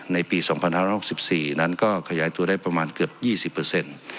ในปีสองพันห้าร้ายหกสิบสี่นั้นก็ขยายตัวได้ประมาณเกือบยี่สิบเปอร์เซ็นต์